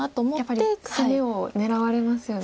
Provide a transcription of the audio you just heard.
やっぱり攻めを狙われますよね。